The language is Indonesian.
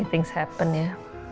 ya banyak hal yang terjadi ya